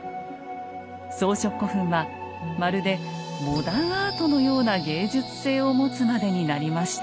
装飾古墳はまるでモダンアートのような芸術性を持つまでになりました。